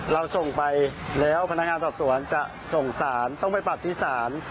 เราส่งไปแล้วพนักงานสอบสวนจะส่งสารต้องไปปรับที่ศาล